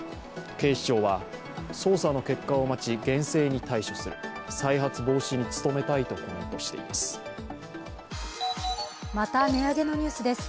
警視庁は、捜査の結果を待ち、厳正に対処する、再発防止に努めたいとコメントしています。